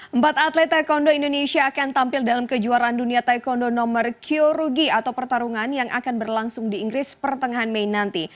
empat atlet taekwondo indonesia akan tampil dalam kejuaraan dunia taekwondo nomor kyorugi atau pertarungan yang akan berlangsung di inggris pertengahan mei nanti